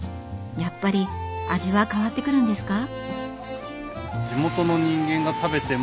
やっぱり味は変わってくるんですか？